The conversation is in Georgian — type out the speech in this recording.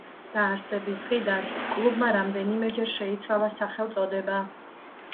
დაარსების დღიდან კლუბმა რამდენიმეჯერ შეიცვალა სახელწოდება.